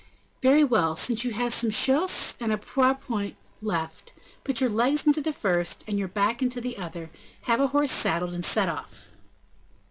"Very well! since you have some chausses and a pourpoint left, put your legs into the first and your back into the other; have a horse saddled, and set off."